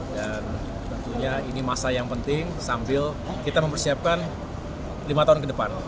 dan tentunya ini masa yang penting sambil kita mempersiapkan lima tahun ke depan